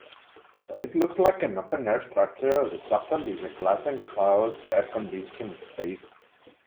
Though it looks like an open-air structure, the chapel is a glass-enclosed, air-conditioned space.